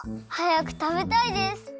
はやくたべたいです！